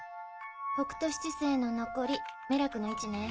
北斗七星の残りメラクの位置ね。